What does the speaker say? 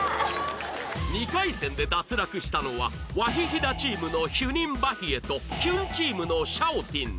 ２回戦で脱落したのはワヒヒダチームのヒュニンバヒエとキュンチームのシャオティン